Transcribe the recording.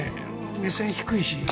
目線低いし。